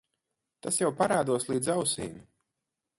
Tas jau parādos līdz ausīm.